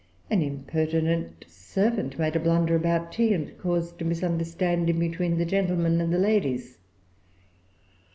An impertinent servant made a blunder about tea, and caused a misunderstanding between the gentlemen and the ladies.